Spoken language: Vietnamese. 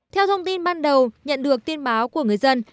theo thông tin ban đầu nhận được tin báo của người dân